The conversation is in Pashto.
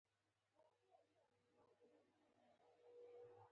ستا د رباب تارونه زاړه زخمونه چېړي.